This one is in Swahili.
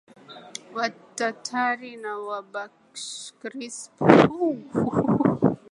Watatari na Wabashkiris Kwa jumla kuna kadirio la kuwepo kwa milioni